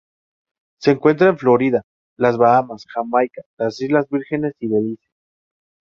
Se encuentra en Florida, las Bahamas, Jamaica, las Islas Vírgenes y Belice.